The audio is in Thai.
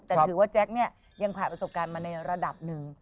แต่ถือว่าแจ๊คเนี่ยยังผ่านประสบการณ์มาในระดับหนึ่ง